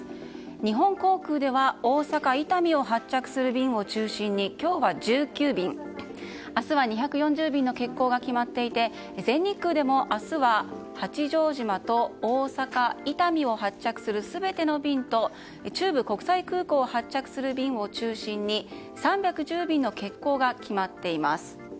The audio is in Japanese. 日本航空では大阪・伊丹を発着する便を中心に今日は１９便、明日は２４０便の欠航が決まっていて全日空でも明日は八丈島と大阪・伊丹を発着する全ての便と中部国際空港を発着する便を中心に３１０便の欠航が決まっています。